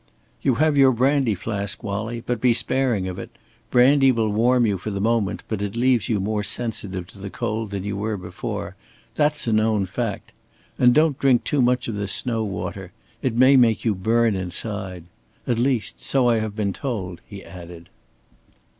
"You have your brandy flask, Wallie, but be sparing of it. Brandy will warm you for the moment, but it leaves you more sensitive to the cold than you were before. That's a known fact. And don't drink too much of this snow water. It may make you burn inside. At least so I have been told," he added.